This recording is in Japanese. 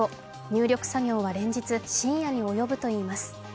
入力作業は連日、深夜に及ぶといいます。